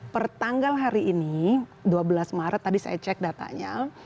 pertanggal hari ini dua belas maret tadi saya cek datanya